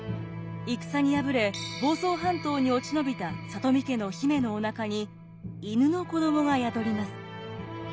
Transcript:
戦に敗れ房総半島に落ち延びた里見家の姫のおなかに犬の子どもが宿ります。